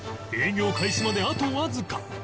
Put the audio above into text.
営業開始まであとわずか